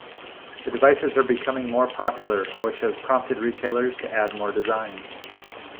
The devices are becoming more popular, which has prompted retailers to add more designs.